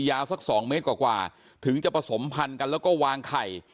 สัก๒เมตรกว่าถึงจะผสมพันธุ์กันแล้วก็วางไข่